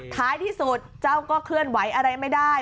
ท้ายที่สุดเจ้าก็เคลื่อนไหวอะไรไม่ได้